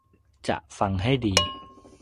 จะฟังให้ดี